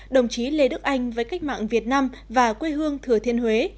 đồng chí lê đức anh với cách mạng việt nam và quê hương thừa thiên huế